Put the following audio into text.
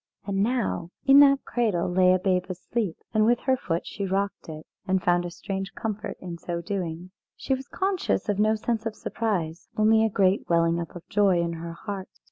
And now in that cradle lay a babe asleep, and with her foot she rocked it, and found a strange comfort in so doing. She was conscious of no sense of surprise, only a great welling up of joy in her heart.